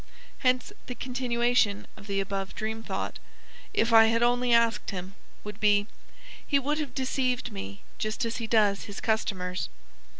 Hence the continuation of the above dream thought ("if I had only asked him") would be: "He would have deceived me just as he does his customers."